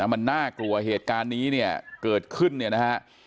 มันน่ากลัวเหตุการณ์นี้เนี่ยเกิดขึ้นเนี่ยนะฮะ